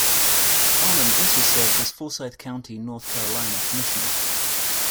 Parmon also served as Forsyth County, North Carolina commissioner.